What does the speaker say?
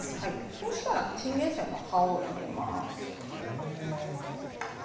そうしたらチンゲンサイの葉を入れます。